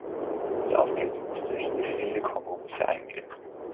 Southgate musste hier viele Kompromisse eingehen.